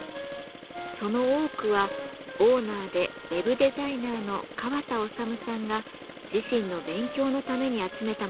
その多くはオーナーでウェブデザイナーの川田修さんが自身の勉強のために集めた物でした。